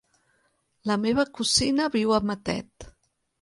La meva cosina viu a Matet.